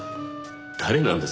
誰なんです？